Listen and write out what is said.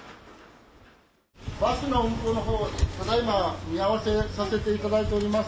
バスの運行のほう、ただいま見合わせさせていただいております。